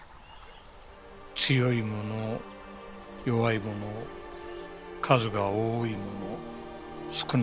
強いもの弱いもの数が多いもの少ないもの。